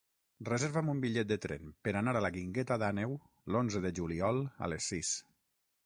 Reserva'm un bitllet de tren per anar a la Guingueta d'Àneu l'onze de juliol a les sis.